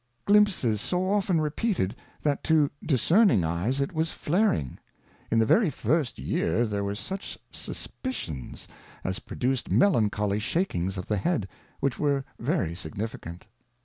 Glimpses so often repeated, that to discerning Eyes it was flaring : In the very first Year there were such Suspicions as produced melancholy shakings of the Head, which were very significant.